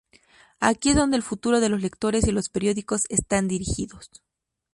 Aquí es donde el futuro de los lectores y los periódicos están dirigidos.